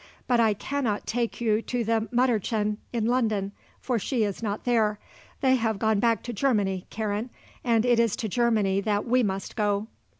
But I cannot take you to the Mütterchen in London, for she is not there. They have gone back to Germany, Karen, and it is to Germany that we must go."